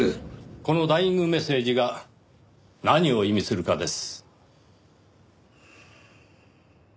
このダイイングメッセージが何を意味するかです。